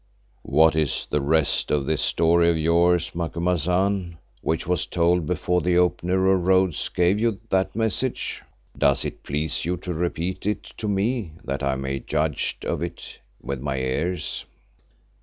"What is the rest of this story of yours, Macumazahn, which was told before the Opener of Roads gave you that message? Does it please you to repeat it to me that I may judge of it with my ears?"